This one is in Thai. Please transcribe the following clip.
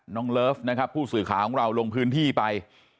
น้องเลิฟนะครับ๖๐๐แรงหน้าผู้ศึกาของเราร่งพื้นที่ไป